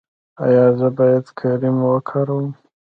ایا زه باید کریم وکاروم؟